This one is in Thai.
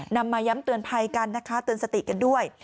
นำมาย้ำเตือนภัยกันนะคะเตือนสติกันด้วย